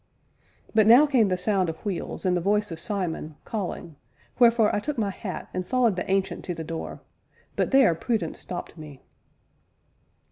But now came the sound of wheels and the voice of Simon, calling, wherefore I took my hat and followed the Ancient to the door, but there Prudence stopped me.